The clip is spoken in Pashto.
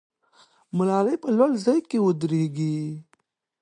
ملالۍ په لوړ ځای کې ودرېږي.